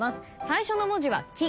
最初の文字は「き」